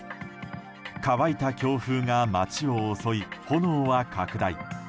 乾いた強風が街を襲い炎は拡大。